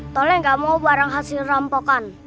tolong gak mau barang hasil rampokan